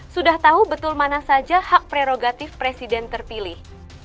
sudah tahu betul mana saja hak prerogatif presiden terpilih